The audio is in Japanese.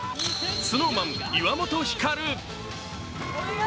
ＳｎｏｗＭａｎ、岩本照。